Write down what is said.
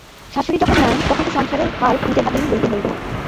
শাশুড়ি যখন নাই তখন তো সংসারের ভার নিজের হাতেই লইতে হইবে।